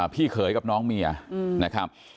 พี่เขยกับน้องเมียนะครับ